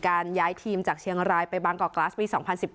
ย้ายทีมจากเชียงรายไปบางกอกกลัสปี๒๐๑๙